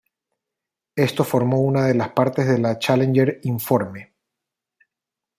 Esto formó una de las partes de la Challenger Informe.